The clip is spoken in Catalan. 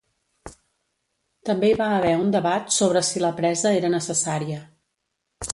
També hi va haver un debat sobre si la presa era necessària.